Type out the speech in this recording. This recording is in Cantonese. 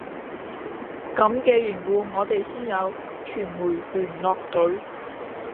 咁嘅緣故我哋先有傳媒聯絡隊